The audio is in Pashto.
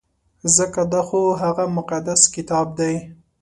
ځکه دا خو هغه مقدس کتاب دی.